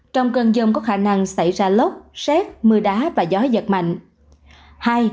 trong cơn dông có khả năng xảy ra lốc xét mưa đá và gió giật mạnh